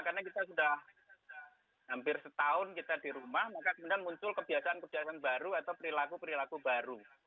karena kita sudah hampir setahun kita di rumah maka kemudian muncul kebiasaan kebiasaan baru atau perilaku perilaku baru